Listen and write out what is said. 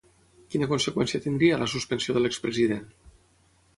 Quina conseqüència tindria la suspensió de l'expresident?